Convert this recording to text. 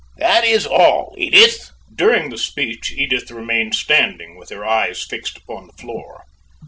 That is all, Edith." During the speech Edith remained standing, with her eyes fixed upon the floor.